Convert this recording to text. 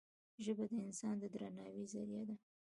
ژبه د انسان د درناوي زریعه ده